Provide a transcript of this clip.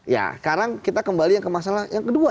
ya sekarang kita kembali yang ke masalah yang kedua